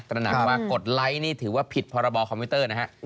ระหนักว่ากดไลค์นี่ถือว่าผิดพรบคอมพิวเตอร์นะครับ